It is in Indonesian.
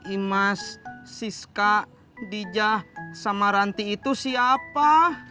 imas siska dijah sama ranti itu siapa